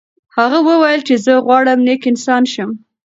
هغه وویل چې زه غواړم نیک انسان شم.